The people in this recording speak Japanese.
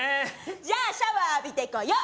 じゃあシャワー浴びてこよっ